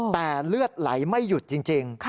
แต่เลือดไหลไม่หยุดจริง